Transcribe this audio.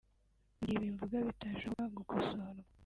Mu gihe ibi mvuga bitashoboka gukosorwa